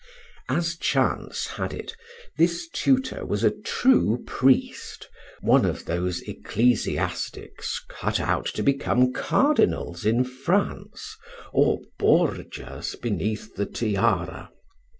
As chance had it, this tutor was a true priest, one of those ecclesiastics cut out to become cardinals in France, or Borgias beneath the tiara.